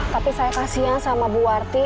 tapi saya kasian sama bu warti